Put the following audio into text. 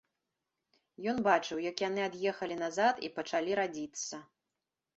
Ён бачыў, як яны ад'ехалі назад і пачалі радзіцца.